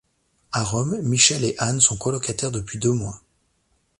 A Rome, Michelle et Anne sont colocataires depuis deux mois.